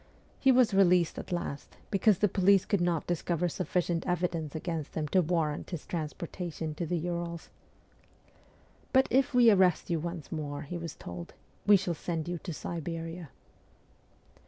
He was released at last, because the police could not discover sufficient evidence against him to warrant his transportation to the Urals !' But if we arrest you once more,' he was told, ' we shall send you to Siberia.'